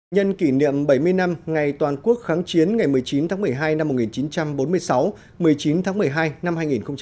nhân kỷ niệm bảy mươi năm ngày toàn quốc kháng chiến ngày một mươi chín tháng một mươi hai năm một nghìn chín trăm bốn mươi sáu một mươi chín tháng một mươi hai năm hai nghìn một mươi chín